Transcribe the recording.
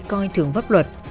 coi thường vấp luật